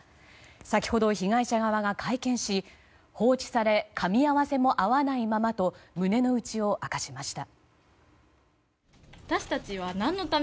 先ほど被害者側が会見し放置されかみ合わせも合わないままと胸の内を明かしました。